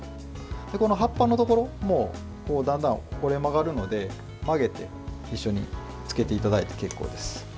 この葉っぱのところもだんだん折れ曲がるので曲げて一緒につけていただいて結構です。